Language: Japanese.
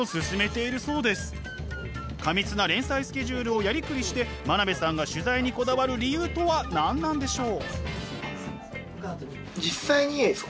過密な連載スケジュールをやりくりして真鍋さんが取材にこだわる理由とは何なんでしょう？